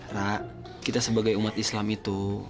rak kita sebagai umat islam itu